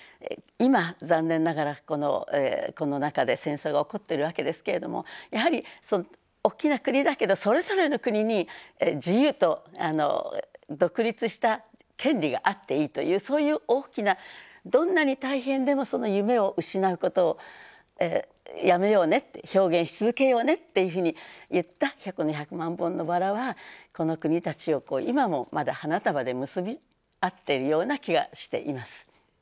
今残念ながらこの中で戦争が起こってるわけですけれどもやはり大きな国だけどそれぞれの国に自由と独立した権利があっていいというそういう大きなどんなに大変でもその夢を失うことをやめようねって表現し続けようねっていうふうにいった「百万本のバラ」はこの国たちを今もまだ花束で結び合っているような気がしています。